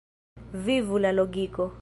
Vivu la logiko!